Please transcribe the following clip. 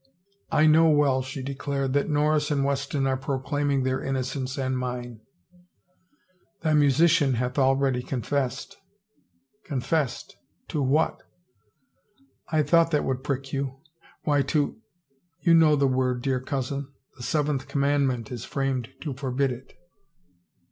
" I know well," she djsclared, " that Norris and Weston are proclaiming their innocence and mine." 338 ti THE TOWER " Thy musician hath already confessed." "Confessed? To what?" " I thought that would prick you. Why to — you know the word, dear cousin. The seventh command ment is framed to forbid it."